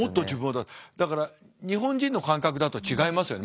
だから日本人の感覚だと違いますよね